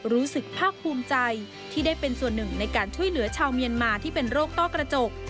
รู้สึกภาคภูมิใจที่ได้เป็นส่วนหนึ่งในการช่วยเหลือชาวเมียนมาที่เป็นโรคต้อกระจก